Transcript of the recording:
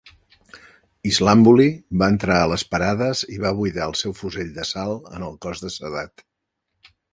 Islambouli va entrar a les parades i va buidar el seu fusell d'assalt en el cos de Sadat.